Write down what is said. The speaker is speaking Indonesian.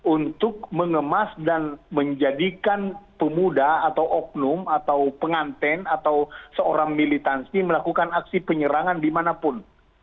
untuk mengemas dan menjadikan pemuda atau oknum atau penganten atau seorang militansi melakukan aksi penyerangan dimanapun